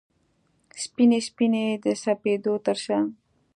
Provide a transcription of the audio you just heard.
سپینې، سپینې د سپېدو ترشا